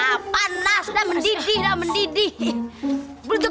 ah panas nah mendidih nah mendidih hehehe